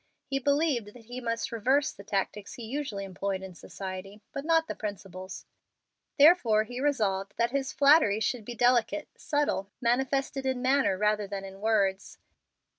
He believed that he must reverse the tactics he usually employed in society, but not the principles. Therefore he resolved that his flattery should be delicate, subtle, manifested in manner rather than in words.